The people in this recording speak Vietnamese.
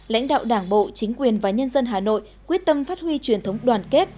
lãnh đạo đảng bộ chính quyền và nhân dân hà nội quyết tâm phát huy truyền thống đoàn kết